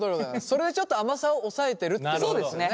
それでちょっと甘さを抑えてるってことですよね？